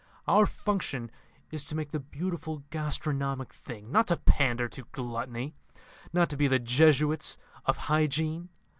Our function is to make the beautiful gastronomic thing, not to pander to gluttony, not to be the Jesuits of hygiene.